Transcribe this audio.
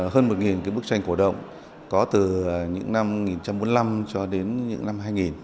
hơn một bức tranh cổ động có từ những năm một nghìn chín trăm bốn mươi năm cho đến những năm hai nghìn